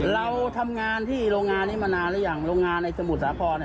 เราทำงานที่โรงงานนี้มานานหรือยังโรงงานในสมุทรสาคร